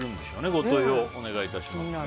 ご投票をお願いします。